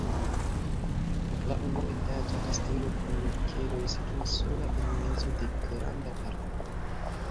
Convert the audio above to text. La unuetaĝa kastelo kun keloj situas sola en mezo de granda parko.